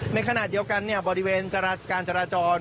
ในขณะเดียวกันบริเวณการจราจร